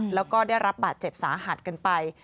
แล้วก็ได้รับบาดเจ็บสาหัสกันไป